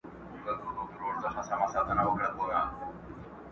موږ یې په لمبه کي د زړه زور وینو٫